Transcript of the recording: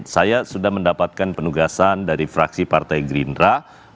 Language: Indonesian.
saya sudah mendapatkan penugasan dari fraksi partai gerindra